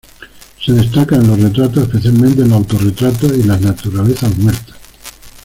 Se destaca en los retratos, especialmente, en los autorretratos, y las naturalezas muertas.